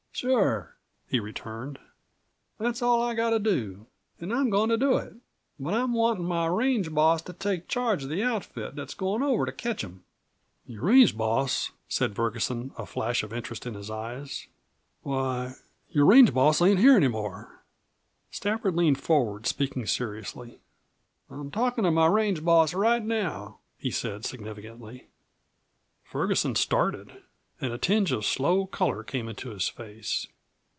"Sure," he returned, "that's all I've got to do. An' I'm goin' to do it. But I'm wantin' my range boss to take charge of the outfit that's goin' over to ketch them." "Your range boss?" said Ferguson, a flash of interest in his eyes, "Why, your range boss ain't here any more." Stafford leaned forward, speaking seriously. "I'm talkin' to my range boss right now!" he said significantly. Ferguson started, and a tinge of slow color came into his face.